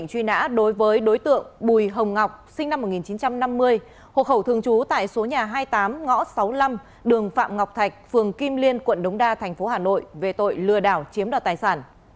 một nghìn chín trăm năm mươi hộ khẩu thường trú tại số nhà hai mươi tám ngõ sáu mươi năm đường phạm ngọc thạch phường kim liên quận đống đa tp hcm về tội lừa đảo chiếm đoạt tài sản